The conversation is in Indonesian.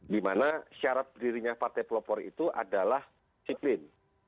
di mana syarat dirinya partai pelopor itu adalah disiplin